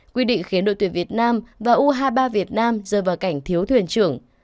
quy định khiến đội tuyển việt nam và u hai mươi ba việt nam rơi vào cảnh thiếu thuyền trưởng